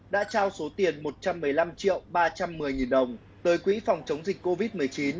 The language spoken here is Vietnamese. đã trao số tiền một trăm một mươi năm triệu ba trăm một mươi đồng tới quỹ phòng chống dịch covid một mươi chín